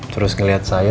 terus ngeliat saya